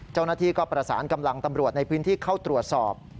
เจ้าหน้าที่ก็ประสานกำลังตำรวจในพื้นที่เข้าตรวจสอบ